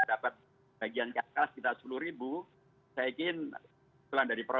dapat bagian kakas sekitar sepuluh ribu